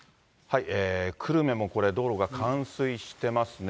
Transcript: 久留米もこれ、道路が冠水してますね。